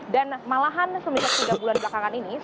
dan malahan semenjak tiga bulan belakangan ini